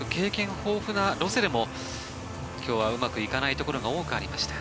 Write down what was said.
豊富なロセでも今日はうまくいかないところが多くありました。